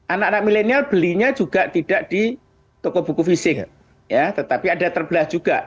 anak anak milenial belinya juga tidak di toko buku fisik ya tetapi ada terbelah juga